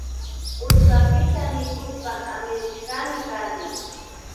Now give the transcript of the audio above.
Uchuapita mikushpa amirishkami kani